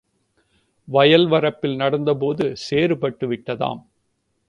வயல் வரப்பில் நடந்தபோது, சேறுபட்டு விட்டதாம்.